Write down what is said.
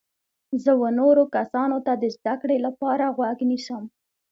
زه و نورو کسانو ته د زده کړي لپاره غوږ نیسم.